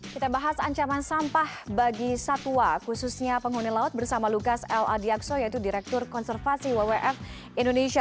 kita bahas ancaman sampah bagi satwa khususnya penghuni laut bersama lukas l adiakso yaitu direktur konservasi wwf indonesia